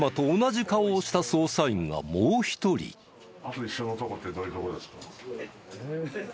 あと一緒のとこってどういうところですか？